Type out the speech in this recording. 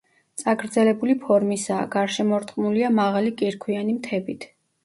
წაგრძელებული ფორმისაა, გარშემორტყმულია მაღალი კირქვიანი მთებით.